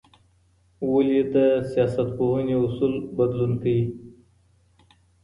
ولي د سياستپوهني اصول بدلون کوي؟